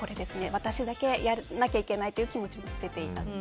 私だけやらなきゃいけないという気持ちを捨てていただく。